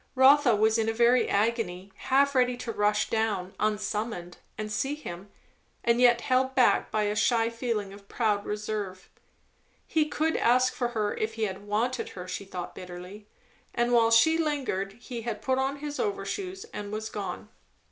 Rotha was in a very agony, half ready to rush down, unsummoned, and see him; and yet held back by a shy feeling of proud reserve. He could ask for her if he had wanted her, she thought bitterly; and while she lingered he had put on his overshoes and was gone.